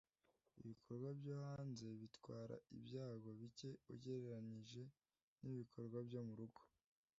Ibikorwa byo hanze bitwara ibyago bike ugereranije nibikorwa byo murugo.